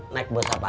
naik bus apaan